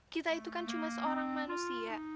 kita itu kan cuma seorang manusia